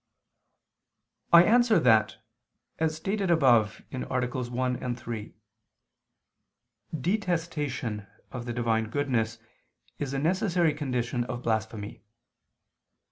I answer that, As stated above (AA. 1, 3), detestation of the Divine goodness is a necessary condition of blasphemy.